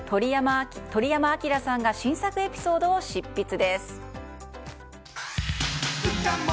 鳥山明さんが新作エピソードを執筆です。